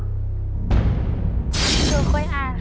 ตัวเลือกที่สามอดทน